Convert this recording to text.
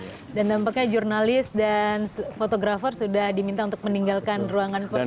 dan tampaknya jurnalis dan fotografer sudah diminta untuk meninggalkan ruangan pertemuan